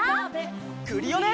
クリオネ！